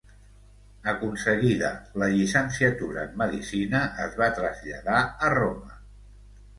Aconseguida la llicenciatura en medicina es va traslladar a Roma.